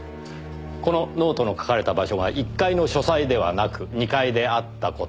このノートの書かれた場所が１階の書斎ではなく２階であった事。